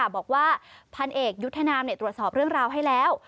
บอกว่าพันเอกยุทธนามตรวจสอบเรื่องราวให้แล้ว